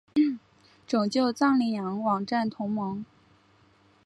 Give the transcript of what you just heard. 拯救藏羚羊网站同盟